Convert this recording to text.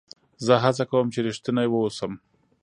زه هڅه کوم، چي رښتینی واوسم.